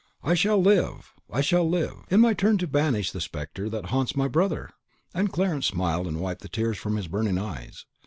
I shall live! I shall live! in my turn to banish the spectre that haunts my brother!" And Clarence smiled and wiped the tears from his burning eyes.